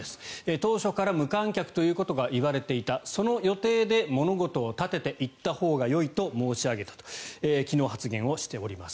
当初から無観客ということがいわれていたその予定で物事を立てていったほうがよいと申し上げたと昨日発言しております。